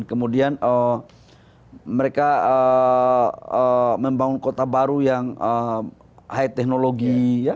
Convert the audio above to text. kemudian mereka membangun kota baru yang high technology